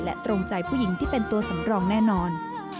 และตรงใจผู้หญิงที่เป็นตัวสำรองแน่นอน